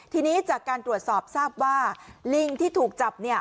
ทีนี้จากการตรวจสอบทราบว่าลิงที่ถูกจับ